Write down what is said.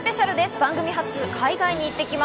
番組初、海外に行ってきます。